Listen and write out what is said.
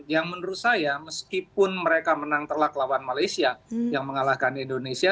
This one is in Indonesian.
yang menurut saya meskipun mereka menang telak lawan malaysia yang mengalahkan indonesia